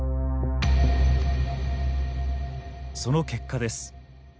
その結果です。